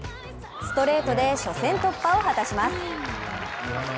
ストレートで初戦突破を果たします。